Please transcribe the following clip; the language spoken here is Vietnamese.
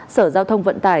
sở giao thông vận tải